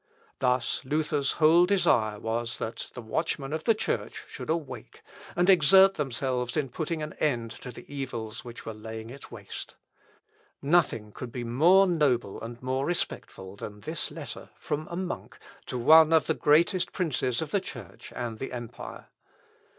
Thus Luther's whole desire was, that the watchmen of the Church should awake, and exert themselves in putting an end to the evils which were laying it waste. Nothing could be more noble and more respectful than this letter from a monk to one of the greatest princes of the Church and the empire.